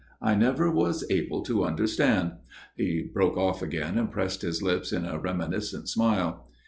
I never was able to understand ." He broke off again, and pressed his lips in a reminiscent smile.